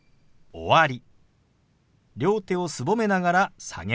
「終わり」。